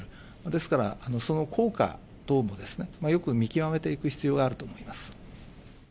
ですから、その効果等もですね、よく見極めていく必要があると思います。